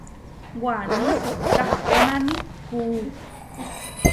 Waní kahponáni kuú.